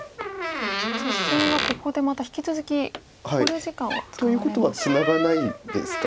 実戦はここでまた引き続き考慮時間を。ということはツナがないですか。